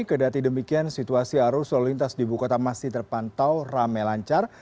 kedati demikian situasi arus lalu lintas di buku kota masih terpantau rame lancar